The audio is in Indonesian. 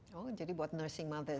oh jadi buat nursing mothers ya